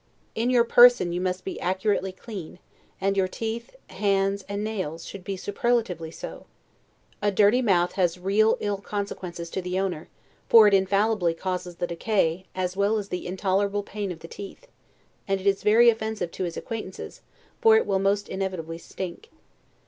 In your person you must be accurately clean; and your teeth, hands, and nails, should be superlatively so; a dirty mouth has real ill consequences to the owner, for it infallibly causes the decay, as well as the intolerable pain of the teeth, and it is very offensive to his acquaintance, for it will most inevitably stink.